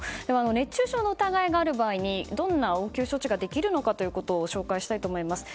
熱中症の疑いがある場合にどんな応急処置ができるのか紹介したいと思います。